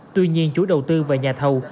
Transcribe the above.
tuy nhiên chủ đầu tư và nhà thầu